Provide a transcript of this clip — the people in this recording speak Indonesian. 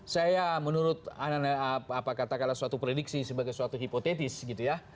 saya menurut katakanlah suatu prediksi sebagai suatu hipotetis gitu ya